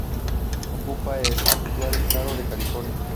Ocupa el actual estado de California.